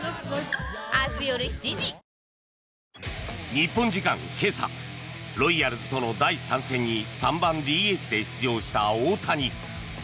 日本時間今朝、ロイヤルズとの第３戦に３番ＤＨで出場した大谷。